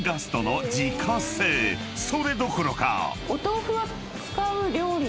［それどころか］